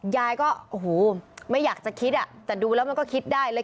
ยายก็โอ้โหไม่อยากจะคิดอ่ะแต่ดูแล้วมันก็คิดได้เลย